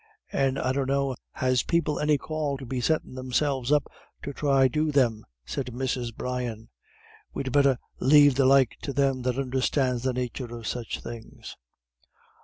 "And I dunno has people any call to be settin' themselves up to thry do them," said Mrs. Brian. "We'd better lave the like to Them that understands the nathur of such things."